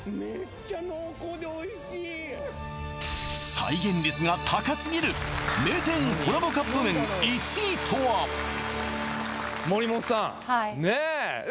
再現率が高すぎる名店コラボカップ麺１位とははいねえ